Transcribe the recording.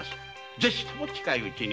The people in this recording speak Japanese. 是非とも近いうちに。